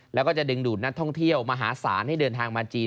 แล้วก็จะดึงดูดนักท่องเที่ยวมหาศาลให้เดินทางมาจีน